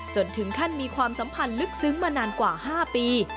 จนถึงขั้นมีความสัมพันธ์ลึกซึ้งมานานกว่า๕ปี